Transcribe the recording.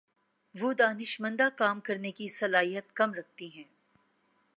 وہ دانشمندانہ کام کرنے کی صلاحیت کم رکھتی ہیں